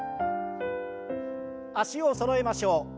脚をそろえましょう。